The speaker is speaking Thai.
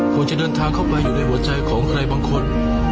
ควรจะเดินทางเข้าไปอยู่ในหัวใจของใครบางคน